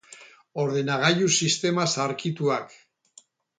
Ordenagailu sistema zaharkituak.